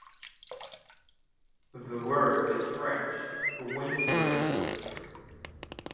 The word is French for "winterer".